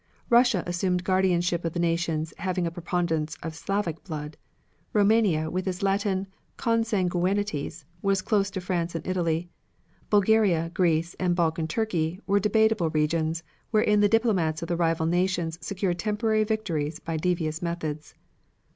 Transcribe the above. Russia assumed guardianship of the nations having a preponderance of Slavic blood; Roumania with its Latin consanguinities was close to France and Italy; Bulgaria, Greece, and Balkan Turkey were debatable regions wherein the diplomats of the rival nations secured temporary victories by devious methods.